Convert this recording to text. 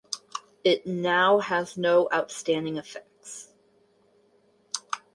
It now has no outstanding effects.